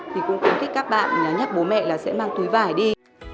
thì cũng khuyến khích các bạn nhắc bố mẹ là sẽ mang túi vải đi